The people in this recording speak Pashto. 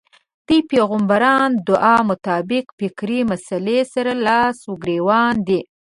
دې پيغمبرانه دعا مطابق فکري مسئلې سره لاس و ګرېوان دی.